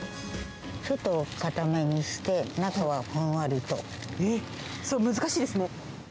外を硬めにして、中はふんわそれ、難しいですね。